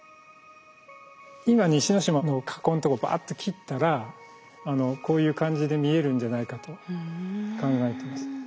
今西之島の火口のとこバッと切ったらこういう感じで見えるんじゃないかと考えています。